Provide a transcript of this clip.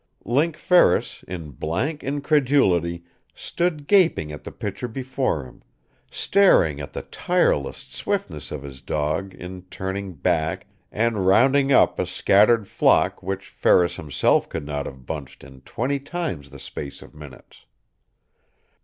Link Ferris, in blank incredulity, stood gaping at the picture before him staring at the tireless swiftness of his dog in turning back and rounding up a scattered flock which Ferris himself could not have bunched in twenty times the space of minutes.